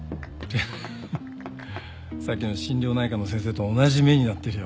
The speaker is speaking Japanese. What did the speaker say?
さっきの心療内科の先生と同じ目になってるよ。